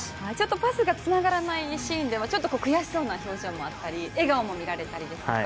パスがつながらないシーンでは悔しそうな表情もあったり笑顔も見られたりですとか